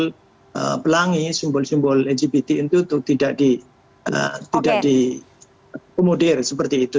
simbol simbol pelangi simbol simbol lgbt itu tidak di pemudir seperti itu